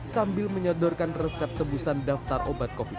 sambil menyodorkan resep tebusan daftar obat covid sembilan belas